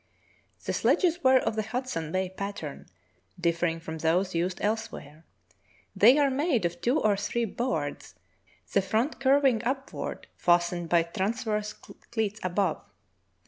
The sledges were of the Hudson Bay pattern, differ ing from those used elsewhere. They are made of two or three boards, the front curving upward, fastened by transverse cleats above.